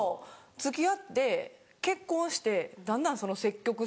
付き合って結婚してだんだんその積極性が。